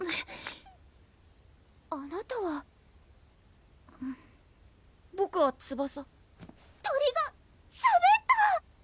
あなたはボクはツバサ鳥がしゃべった！